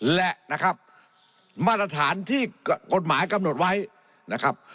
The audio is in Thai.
และนะครับมาตรฐานที่กฎหมายกำหนดไว้นะครับ